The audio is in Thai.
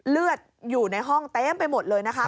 เลือดอยู่ในห้องเต็มไปหมดเลยนะคะ